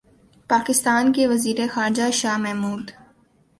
پاکستان کے وزیر خارجہ شاہ محمود